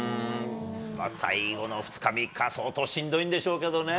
最後の２日、３日は相当しんどいんでしょうけどね。